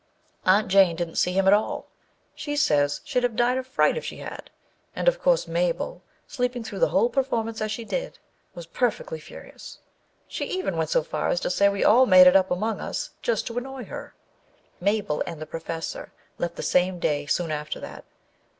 Aunt Jane didn't see him at all ; she says she'd have died of fright if she had; and, of course, Mabel, sleeping through the performance as she did, was perfectly furious. She even went so far as to say we all made it up among us just to annoy her. Mabel and the Professor left the same day soon after that.